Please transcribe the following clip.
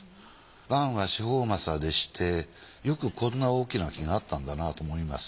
盤は四方柾でしてよくこんな大きな木があったんだなと思います。